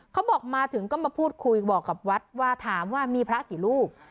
เขาบอกมาถึงก็มาพูดคุยบอกกับวัดว่าถามว่ามีพระกี่รูป